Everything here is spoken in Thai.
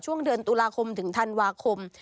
ช่วงเดือนตุลาคมถึงธันวาคม